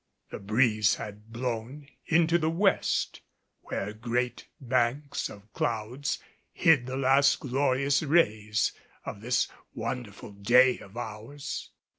The breeze had blown into the west, where great banks of clouds hid the last glorious rays of this wonderful day of ours.